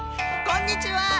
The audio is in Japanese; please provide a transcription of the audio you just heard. こんにちは！